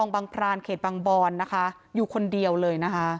บางพรานเขตบางบอนนะคะอยู่คนเดียวเลยนะคะ